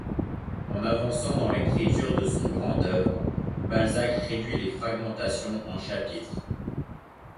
En avançant dans l’écriture de son grand œuvre, Balzac réduit la fragmentation en chapitres.